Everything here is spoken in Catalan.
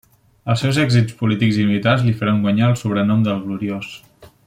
Els seus èxits polítics i militars li feren guanyar el sobrenom del Gloriós.